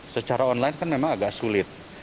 secara online kan memang agak sulit